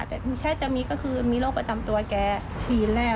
แต่แค่จะมีก็คือมีโรคประจำตัวแกชีนแรก